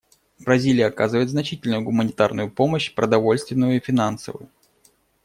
Бразилия оказывает значительную гуманитарную помощь — продовольственную и финансовую.